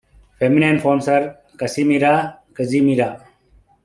Feminine forms are: Casimira, Kazimiera.